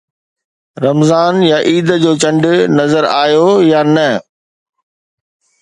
رمضان يا عيد جو چنڊ نظر آيو يا نه؟